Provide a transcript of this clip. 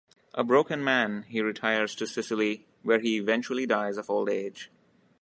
A broken man, he retires to Sicily, where he eventually dies of old age.